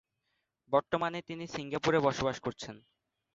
বর্তমানে তিনি সিঙ্গাপুরে বসবাস করছেন।